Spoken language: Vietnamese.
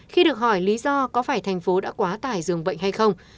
khi được hỏi lý do có phải thành phố đã quá tải dường bệnh hay không